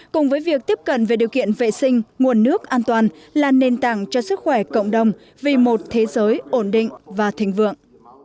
cùng với việc tiếp cận về điều kiện vệ sinh nguồn nước an toàn là nền tảng cho sức khỏe cộng đồng vì một thế giới ổn định và thịnh vượng